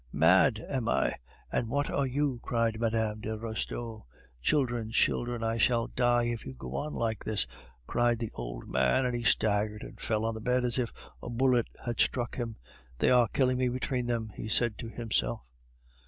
"Mad! am I? And what are you?" cried Mme. de Restaud. "Children, children, I shall die if you go on like this," cried the old man, and he staggered and fell on the bed as if a bullet had struck him. "They are killing me between them," he said to himself.